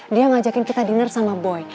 dia ngajakin kita dinner sama boy